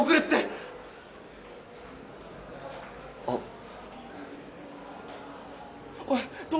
あっ。